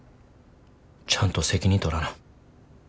ちゃんと責任取らな。